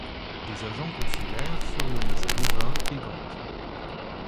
Des agents consulaires furent nommés à Louvain et Gand.